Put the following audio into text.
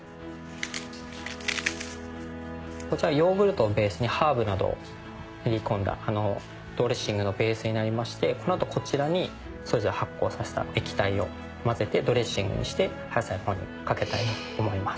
こちらヨーグルトをベースにハーブなどを練り込んだドレッシングのベースになりましてこの後こちらにそれぞれ発酵させた液体を混ぜてドレッシングにしてお野菜にかけたいと思います。